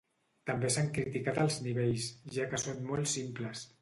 També s'han criticat els nivells, ja que són molt simples.